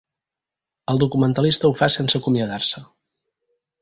El documentalista ho fa sense acomiadar-se.